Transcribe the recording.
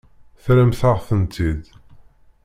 Terramt-aɣ-tent-id.